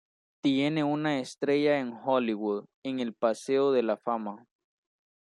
Tiene una estrella en Hollywood en el Paseo de la Fama.